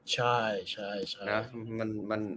ใช่ใช่ใช่